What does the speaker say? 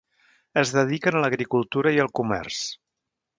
Es dediquen a l'agricultura i el comerç.